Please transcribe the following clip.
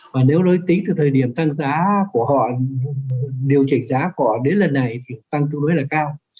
và nếu đối tính từ thời điểm tăng giá của họ điều chỉnh giá của họ đến lần này thì tăng tương đối là cao